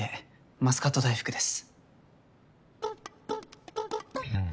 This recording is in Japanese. マスカット大福です。